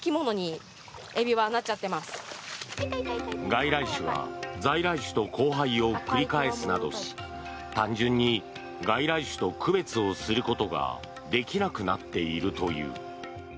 外来種が在来種と交配を繰り返すなどし単純に外来種と区別をすることができなくなっているという。